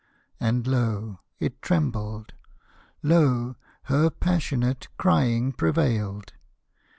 And lo! it trembled, lo! her passionate Crying prevailed.